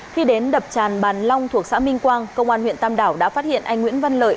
khi đến đập tràn bàn long thuộc xã minh quang công an huyện tam đảo đã phát hiện anh nguyễn văn lợi